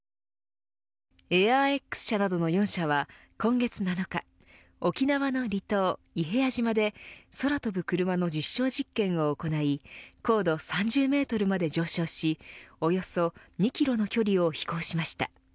Ａｉｒｘ社などの４社は今月７日沖縄の離島、伊平屋島で空飛ぶクルマの実証実験を行い高度３０メートルまで上昇しおよそ２キロの距離を飛行しました。